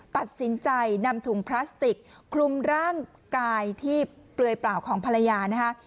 ตัดสินใจนำถุงพลาสติกคลุมร่างกายที่เปลือยเปล่าของภรรยานะคะ